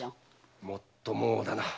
もっともだな。